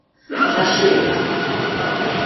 Ғашиҡ?